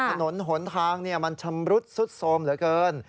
ถนนหนทางมันชำรุดซุดโทรมเหลือเกิน